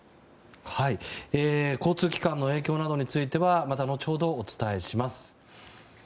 交通機関の影響などについてはまた後ほどお伝えします。